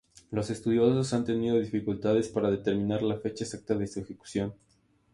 Los estudiosos han tenido dificultades para determinar la fecha exacta de su ejecución.